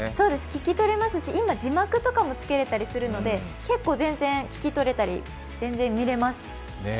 聞き取れますし、今字幕とかもつけれますので結構全然聞き取れたり全然見れます。